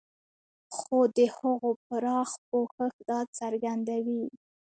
خو د هغو پراخ پوښښ دا څرګندوي.